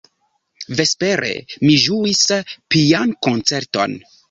Vespere mi ĝuis piankoncerton.